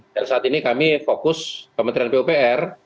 dan saat ini kami fokus kementerian pupr